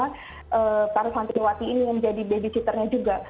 karena para santriwati ini menjadi babysitternya juga